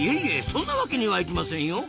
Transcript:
そんなワケにはいきませんよ！